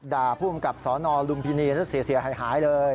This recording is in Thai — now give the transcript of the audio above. ด่าผู้กำกับสนลุมพินีแล้วเสียหายเลย